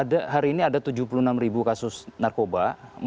nah hari ini ada tujuh puluh enam kasus narkoba